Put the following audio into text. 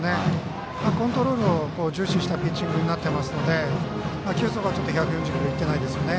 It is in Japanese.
コントロールを重視したピッチングになってますので球速は１４０キロにいってないですね。